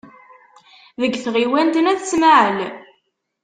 Deg tɣiwant n At Smaɛel.